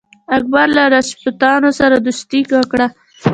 اکبر له راجپوتانو سره دوستي وکړه.